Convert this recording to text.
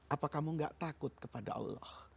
apa kamu gak takut kepada allah